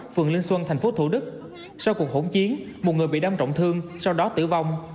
phường linh xuân tp thủ đức sau cuộc hỗn chiến một người bị đâm trọng thương sau đó tử vong